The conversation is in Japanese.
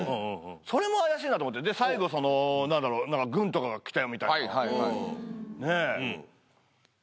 それも怪しいなと思ってで最後その何だろう軍とかが来たよみたいなねぇ。